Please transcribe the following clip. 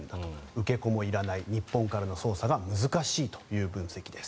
受け子もいらない日本からの捜査が難しいという分析です。